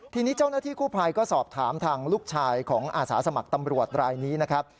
ทีนี้เจ้าหน้าที่กู้ภัยก็สอบถามทางลูกชายของอาสาสมัครตำรวจรายนี้นะครับ